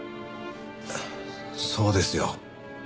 そうですよ。